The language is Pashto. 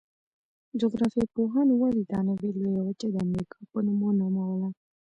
جغرافیه پوهانو ولې دا نوي لویه وچه د امریکا په نوم ونوموله؟